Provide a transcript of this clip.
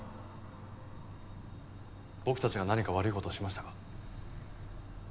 僕たちが何か悪い事をしましたか？